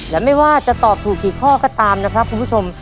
และไม่ว่าจะตอบถูกกี่ข้อก็ตามนะครับคุณผู้ชม